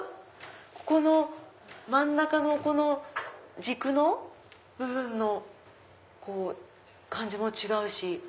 ここの真ん中の軸の部分の感じも違うし。